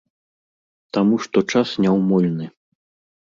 Таму што час няўмольны.